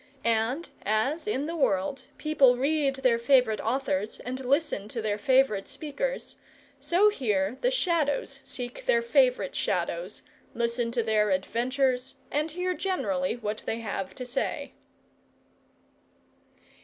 And as, in the world, people read their favourite authors, and listen to their favourite speakers, so here the Shadows seek their favourite Shadows, listen to their adventures, and hear generally what they have to say.